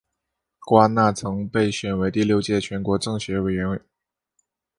郭安娜曾被选为第六届全国政协委员。